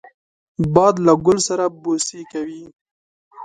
باد له ګل سره بوسې کوي